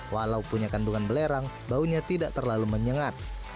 walau punya kandungan belerang baunya tidak terlalu menyengat